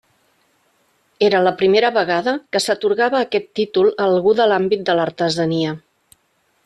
Era la primera vegada que s'atorgava aquest títol a algú de l'àmbit de l'artesania.